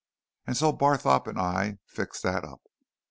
And so Barthorpe and I fixed that up.